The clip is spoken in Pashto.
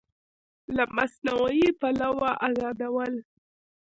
له مصنوعي پولو ازادول